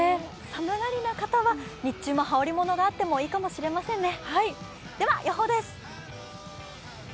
寒がりな方は日中も羽織りものがあってもいいかもしれませんね。